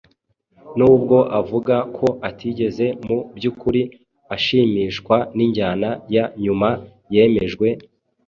nubwo avuga ko atigeze mu by'ukuri ashimishwa n'injyana ya nyuma yemejwe